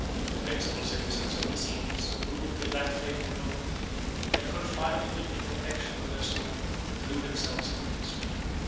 The principal citizens of Nisibis, who, till that fatal moment, had confided in the protection of their sovereign, threw themselves at his feet.